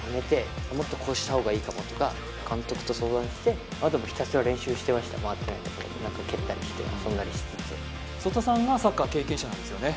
だからもっとこうした方がいいかもとか監督と相談して回ってないところで蹴ったりして遊んだりしつつ曽田さんがサッカー経験者なんですよね？